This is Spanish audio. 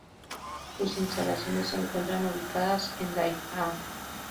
Sus instalaciones se encuentran ubicadas en Daejeon.